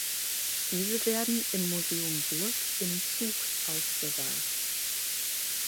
Diese werden im Museum Burg in Zug aufbewahrt.